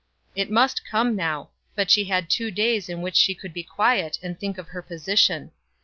It must come now; but she had two days in which she could be quiet and think of her position.